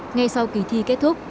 ngay sau kỳ thi kết thúc